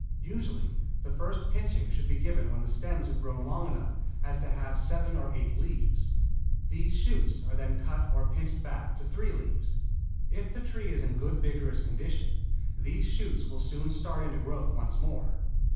Usually the first pinching should be given when the stems have grown long enough so as to have seven or eight leaves. These shoots are then cut or pinched back to three leaves. If the tree is in good vigorous condition, these shoots will soon start into growth once more.